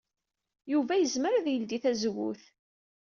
Yuba yezmer ad yeldey tazewwut.